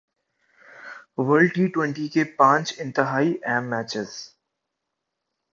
world T twenty کے پانچ انتہائی اہم میچز